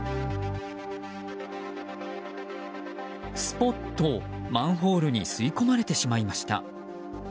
スポッとマンホールに吸い込まれてしまいました。